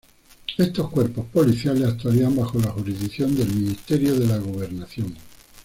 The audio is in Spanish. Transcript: Estos cuerpos policiales actuarían bajo la jurisdicción del Ministerio de la Gobernación.